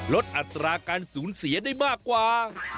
อัตราการสูญเสียได้มากกว่า